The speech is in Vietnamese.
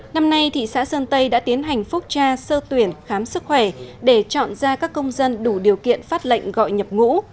năm nay thị xã sơn tây đã tiến hành phúc tra sơ tuyển khám sức khỏe để chọn ra các công dân đủ điều kiện phát lệnh gọi nhập ngũ